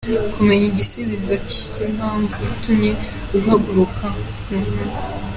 Kumenya igisubizo cy’impamvu itumye uhaguruka ngo ukore.